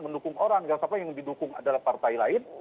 mendukung orang yang didukung adalah partai lain